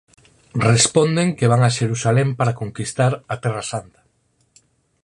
Responden que van a Xerusalén para conquistar a Terra santa.